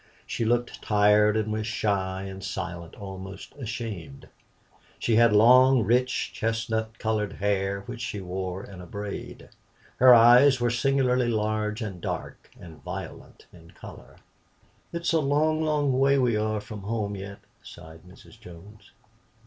She looked tired, and was shy and silent, almost ashamed. She had long, rich, chestnut colored hair which she wore in a braid. Her eyes were singularly large and dark, and violet in color. "It's a long, long way we are from home yet," sighed Mrs. Jones.